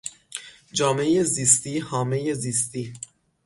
جامعهی زیستی، هامهی زیستی